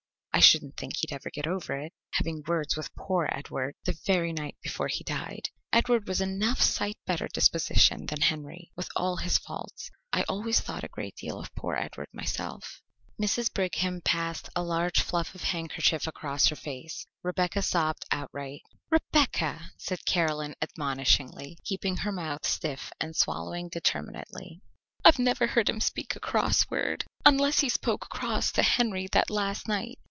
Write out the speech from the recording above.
I shouldn't think he'd ever get over it, having words with poor Edward the very night before he died. Edward was enough sight better disposition than Henry, with all his faults. I always thought a great deal of poor Edward, myself." Mrs. Brigham passed a large fluff of handkerchief across her eyes; Rebecca sobbed outright. "Rebecca," said Caroline admonishingly, keeping her mouth stiff and swallowing determinately. "I never heard him speak a cross word, unless he spoke cross to Henry that last night.